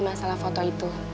masa masa yang akan terjadi